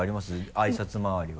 あいさつ回りは。